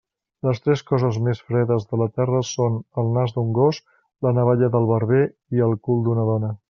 Les tres coses més fredes de la terra són: el nas d'un gos, la navalla del barber i el cul d'una dona.